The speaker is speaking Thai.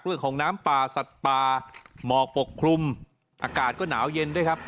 เรื่องของน้ำป่าสัตว์ป่าหมอกปกคลุมอากาศก็หนาวเย็นด้วยครับ